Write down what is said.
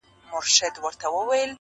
o چي لري دي لره ئې، چي لړي دي لړه ئې٫